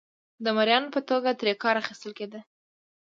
د مریانو په توګه ترې کار اخیستل کېده.